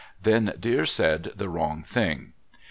Then Deer said the wrong thing.